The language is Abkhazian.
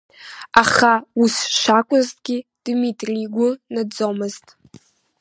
Аха, ус шакәызгьы, Дмитри игәы наӡомызт…